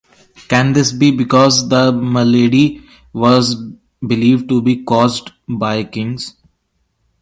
Can this be because the malady was believed to be caused by kings?